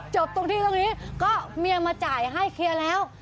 จบตรงที่ตรงนี้ก็เมียมาจ่ายให้เคลียร์แล้ว